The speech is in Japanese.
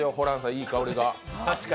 いい香りが。